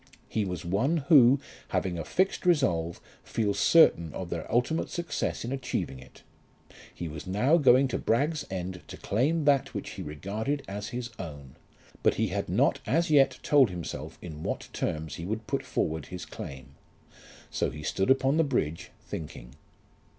He was one who, having a fixed resolve, feels certain of their ultimate success in achieving it. He was now going to Bragg's End to claim that which he regarded as his own; but he had not as yet told himself in what terms he would put forward his claim. So he stood upon the bridge thinking.